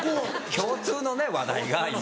共通のね話題が今。